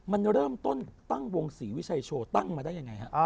มันเริ่มต้นตั้งวงศรีวิชัยโชว์ตั้งมาได้ยังไงฮะ